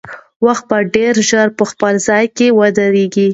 وخت به ډېر ژر په خپل ځای کې ودرېږي.